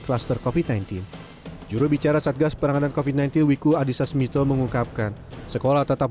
kluster kofit sembilan belas jurubicara satgas peranganan kofit sembilan belas wiku adhisa smito mengungkapkan sekolah tetap